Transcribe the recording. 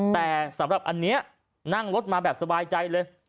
แต่สำหรับอันนี้นั่งรถมาแบบสบายใจเลย